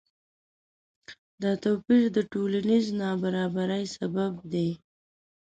دا توپیر د ټولنیز نابرابری سبب دی.